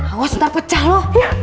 awas ntar pecah lu